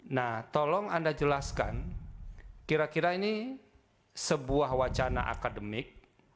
nah tolong anda jelaskan kira kira ini sebuah wacana akademik